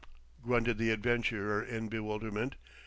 grunted the adventurer in bewilderment.